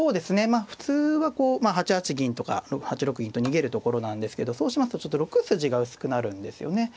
まあ普通はこう８八銀とか８六銀と逃げるところなんですけどそうしますとちょっと６筋が薄くなるんですよね。